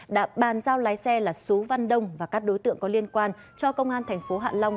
đã bàn giao lái xe là sú văn đông và các đối tượng có liên quan cho công an thành phố hạ long